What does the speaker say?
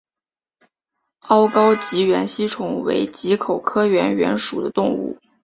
凹睾棘缘吸虫为棘口科棘缘属的动物。